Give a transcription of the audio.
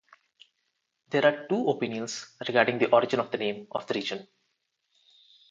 There are two opinions regarding the origin of the name of the region.